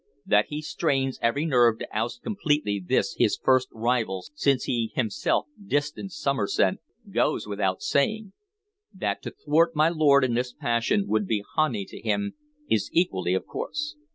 That he strains every nerve to oust completely this his first rival since he himself distanced Somerset goes without saying. That to thwart my lord in this passion would be honey to him is equally of course.